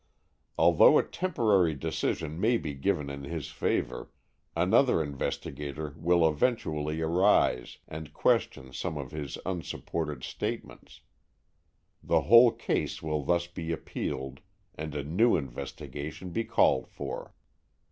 Although a temporary decision may be given in his favor, another investigator will eventually arise and question some of his unsupported statements. The whole case will thus be appealed, and a new investigation be called for.